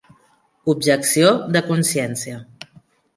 Objecció de consciència.